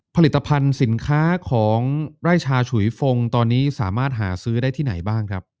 ผลิตภัณฑ์สินค้าของไร่ชาฉุยฟงตอนนี้สามารถหาซื้อได้ที่ไหนบ้างครับ